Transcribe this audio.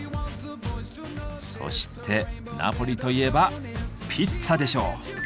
そしてナポリといえばピッツァでしょう！